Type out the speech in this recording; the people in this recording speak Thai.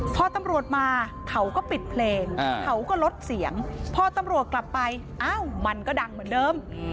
พอตำรวจมาเขาก็ปิดเพลงเขาก็ลดเสียงพอตำรวจกลับไปอ้าวมันก็ดังเหมือนเดิม